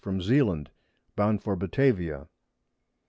from Zealand, bound for Batavia.